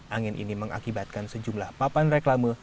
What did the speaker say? angin ini mengakibatkan sejumlah papan reklame